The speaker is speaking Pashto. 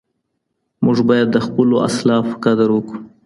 موږ باید د خپلو اسلافو قدر وکړو.